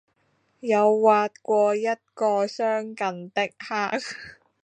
有挖過一個相近的坑